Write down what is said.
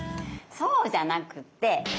そうじゃなくってカラダ！